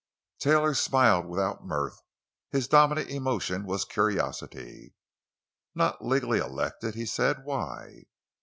Taylor smiled without mirth. His dominant emotion was curiosity. "Not legally elected?" he said. "Why?"